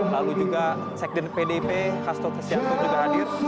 lalu juga sekjen pdp kastut hasyatun juga hadir